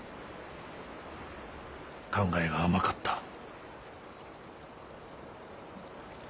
考えが甘かった。